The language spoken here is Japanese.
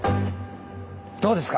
どうですか？